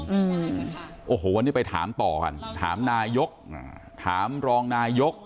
อืมโอ้โหวันนี้ไปถามต่อกันถามนายกอ่าถามรองนายก